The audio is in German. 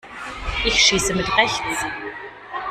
Ich schieße mit rechts.